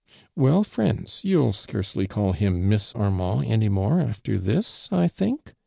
••Well, friends. you"ll scarcely call him .Hi.f.i Armand, any more, after this, I think